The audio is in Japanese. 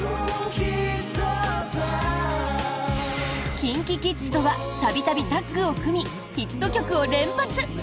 ＫｉｎＫｉＫｉｄｓとは度々タッグを組みヒット曲を連発。